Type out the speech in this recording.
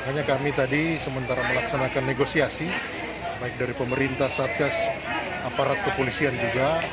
makanya kami tadi sementara melaksanakan negosiasi baik dari pemerintah satgas aparat kepolisian juga